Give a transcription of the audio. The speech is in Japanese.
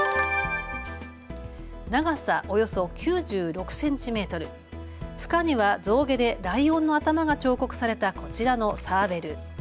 長さおよそ９６センチメートル、つかには象牙でライオンの頭が彫刻されたこちらのサーベル。